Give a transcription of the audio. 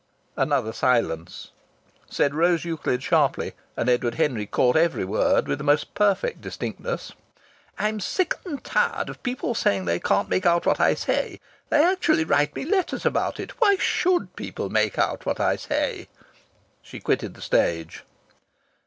Another silence. Said Rose Euclid, sharply, and Edward Henry caught every word with the most perfect distinctness: "I'm sick and tired of people saying they can't make out what I say! They actually write me letters about it! Why should people make out what I say?" She quitted the stage.